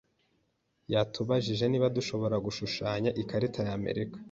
Yatubajije niba dushobora gushushanya ikarita y’Amerika.